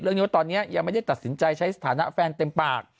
ว่าตอนนี้ยังไม่ได้ตัดสินใจใช้สถานะแฟนเต็มปาก